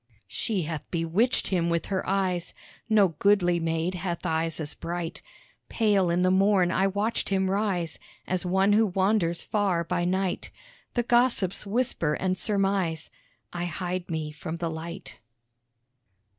She hath bewitched him with her eyes. (No goodly maid hath eyes as bright.) Pale in the morn I watch him rise, As one who wanders far by night. The gossips whisper and surmise I hide me from the light.